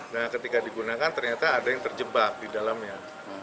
nah ketika digunakan ternyata ada yang terjebak di dalamnya